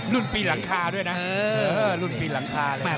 รุ่นปีหลังคาด้วยนะรุ่นปีหลังคาเลย